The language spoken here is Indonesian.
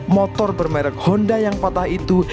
motor bermerek honda yang patah itu